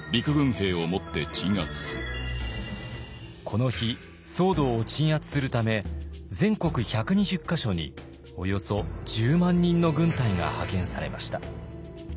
この日騒動を鎮圧するため全国１２０か所におよそ１０万人の軍隊が派遣されました。